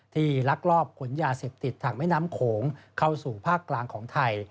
ลักลอบขนยาเสพติดทางแม่น้ำโขงเข้าสู่ภาคกลางของไทย